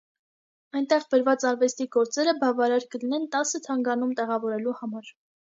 Այնտեղ բերված արվեստի գործերը բավարար կլինեն տասը թանգարանում տեղավորվելու համար։